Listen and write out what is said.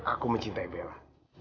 aku mencintai bella